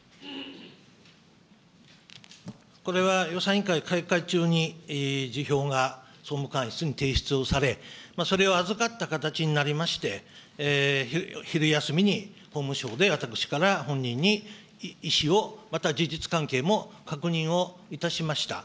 これは予算委員会開会中に辞表が総務官室に提出をされ、それを預かった形になりまして、昼休みに法務省で私から本人に意思を、また事実関係も確認をいたしました。